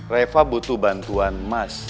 reva butuh bantuan mas